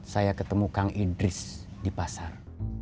saya ketemu kang idris di pasar